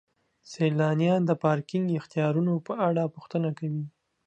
سیلانیان د پارکینګ اختیارونو په اړه پوښتنه کوي.